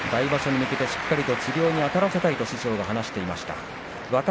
来場所に向けてしっかりと治療にあたらせたいと師匠が話していました。